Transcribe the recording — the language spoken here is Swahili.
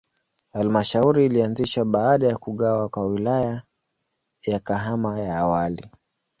Halmashauri ilianzishwa baada ya kugawa kwa Wilaya ya Kahama ya awali.